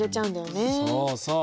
そうそう。